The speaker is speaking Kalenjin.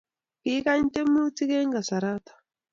Kikany temutik eng kasaroto